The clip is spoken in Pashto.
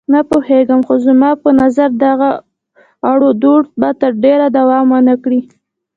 نه پوهېږم، خو زما په نظر دغه اړودوړ به تر ډېره دوام ونه کړي.